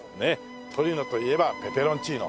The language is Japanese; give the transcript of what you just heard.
トリノといえばペペロンチーノ。